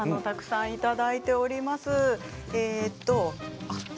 たくさんいただいております。